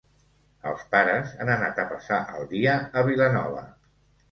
Els pares han anat a passar el dia a Vilanova.